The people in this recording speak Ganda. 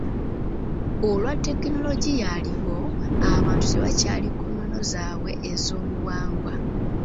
Olwa tekinoligiya aliwo, abantu tebakyali ku nnono zaabwe ez'obuwangwa.